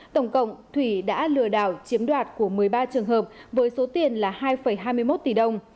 tổng cộng thủy đã lừa đảo chiếm đoạt của một mươi ba trường hợp với số tiền là hai hai mươi một tỷ đồng